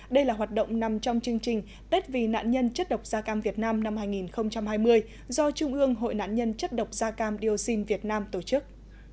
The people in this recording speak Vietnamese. đây là hoạt động nằm trong chương trình tết vì nạn nhân chất độc da cam việt nam năm hai nghìn hai mươi do trung ương hội nạn nhân chất độc da cam dioxin việt nam tổ chức